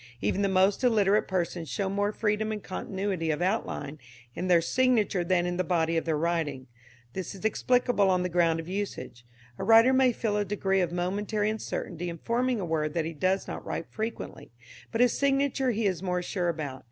Even the most illiterate persons show more freedom and continuity of outline in their signature than in the body of their writing. This is explicable on the ground of usage. A writer may feel a degree of momentary uncertainty in forming a word that he does not write frequently, but his signature he is more sure about.